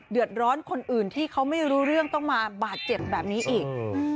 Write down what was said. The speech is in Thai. เดือดร้อนคนอื่นที่เขาไม่รู้เรื่องต้องมาบาดเจ็บแบบนี้อีก